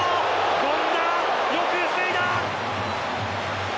権田、よく防いだ。